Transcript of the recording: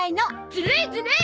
ずるいずるい！